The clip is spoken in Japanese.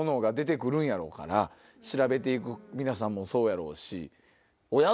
調べていく皆さんもそうやろうしおや？